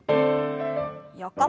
横。